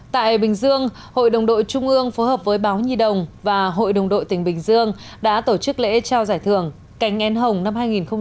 tại bình dương hội đồng đội trung ương phối hợp với báo nhi đồng và hội đồng đội tỉnh bình dương đã tổ chức lễ trao giải thưởng cánh én hồng năm hai nghìn một mươi tám